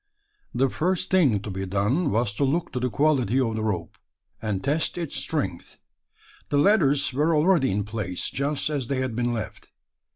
The first thing to be done, was to look to the quality of the rope, and test its strength. The ladders were already in place, just as they had been left.